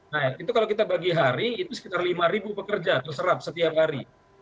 nah itu kalau kita bagi hari itu sekitar lima pekerja terserap setiap hari